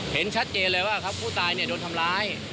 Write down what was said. เห็นชัดเจนเลยว่าครับผู้ตายโดนทำร้าย